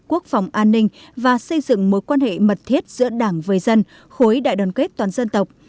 quốc phòng an ninh và xây dựng mối quan hệ mật thiết giữa đảng với dân khối đại đoàn kết toàn dân tộc